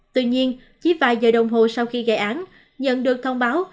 tuy nhiên chỉ vài giờ đồng hồ sau khi gây án nhận được thông báo